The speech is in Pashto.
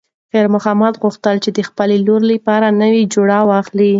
خیر محمد غوښتل چې د لور لپاره نوې جوړه واخلي.